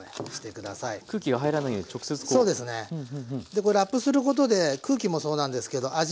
こうラップすることで空気もそうなんですけど味